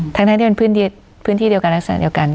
ทั้งที่เป็นพื้นที่เดียวกันลักษณะเดียวกัน